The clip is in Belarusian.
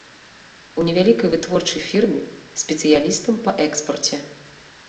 У невялікай вытворчай фірме, спецыялістам па экспарце.